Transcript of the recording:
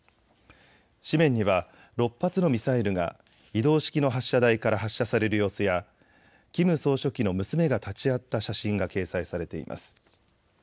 紙面には６発のミサイルが移動式の発射台から発射される様子やキム総書記の娘が立ち会った写真が掲載されています。